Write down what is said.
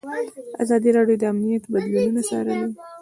ازادي راډیو د امنیت بدلونونه څارلي.